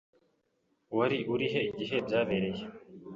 Wari urihe igihe byabereye?